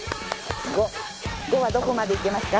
５５はどこまで行けますか？